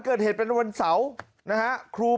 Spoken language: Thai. เมื่อกี้มันร้องพักเดียวเลย